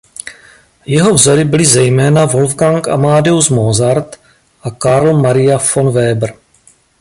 Jeho vzory byli zejména Wolfgang Amadeus Mozart a Carl Maria von Weber.